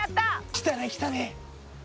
きたねきたね